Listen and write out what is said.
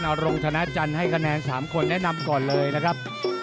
อาจารย์ให้คะแนน๓คนแนะนำก่อนเลยนะครับ